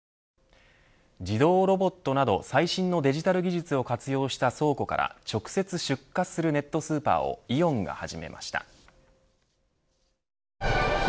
自動ロボットなど最新のデジタル技術を活用した倉庫から直接出荷するネットスーパーをイオンが始めました。